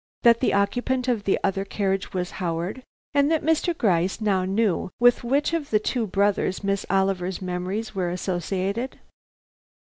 That the occupant of the other carriage was Howard, and that Mr. Gryce now knew with which of the two brothers Miss Oliver's memories were associated.